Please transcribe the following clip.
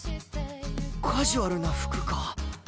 カジュアルな服か。